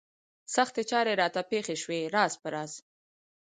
سختې چارې راته پېښې شوې راز په راز.